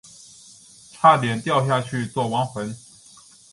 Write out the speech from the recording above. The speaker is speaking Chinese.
差点掉下去做亡魂